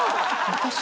私？